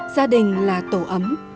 gia đình là tổ ấm